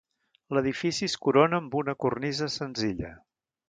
L'edifici es corona amb una cornisa senzilla.